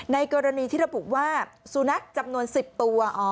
ในกรณีที่เราบอกว่าสูนัขจำนวน๑๐ตัว